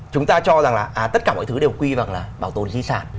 chúng ta cho rằng là tất cả mọi thứ đều quy vào bảo tồn di sản